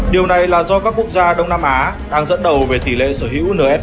điều này là do các quốc gia đông nam á đang dẫn đầu về tỷ lệ sở hữu ns